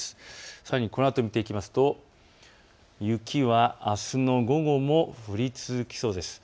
さらにこのあと見ていきますと雪は、あすの午後も降り続きそうです。